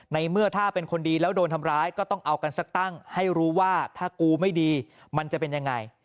ในเมื่อถ้าเป็นคนดีแล้วโดนทำร้ายก็ต้องเอากันสักตั้งให้รู้ว่าถ้ากูไม่ดีมันจะเป็นยังไง